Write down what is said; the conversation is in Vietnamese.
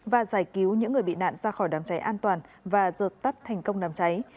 và giải cứu những người bị nạn ra khỏi nám cháy an toàn và dợt tắt thành công nám cháy